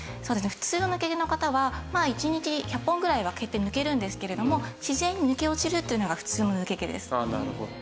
普通の抜け毛の方は１日１００本ぐらいは毛って抜けるんですけれども自然に抜け落ちるというのが普通の抜け毛です。